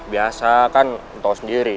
biasa kan tau sendiri